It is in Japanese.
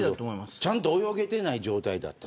ちゃんと泳げてない状態だった。